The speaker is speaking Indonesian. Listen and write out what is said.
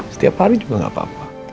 setiap hari juga nggak apa apa